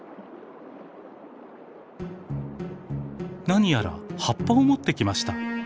何やら葉っぱを持ってきました。